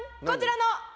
こちらの。